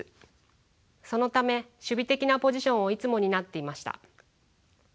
そのため守備的なポジションをいつも担っていました。